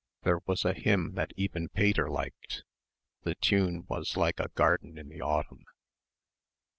There was a hymn that even Pater liked ... the tune was like a garden in the autumn....